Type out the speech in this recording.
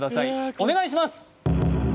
お願いします！